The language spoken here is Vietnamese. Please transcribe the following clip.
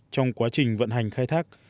trong quá trình vận hành khai thác